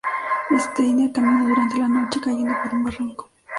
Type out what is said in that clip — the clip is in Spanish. Steiner caminó durante la noche, cayendo por un barranco.